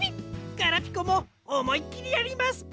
ガラピコもおもいっきりやりますぷ！